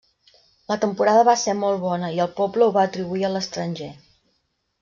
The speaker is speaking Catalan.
La temporada va ser molt bona i el poble ho va atribuir a l'estranger.